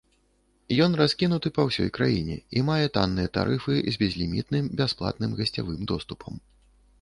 Ён раскінуты па ўсёй краіне і мае танныя тарыфы з безлімітным бясплатным гасцявым доступам.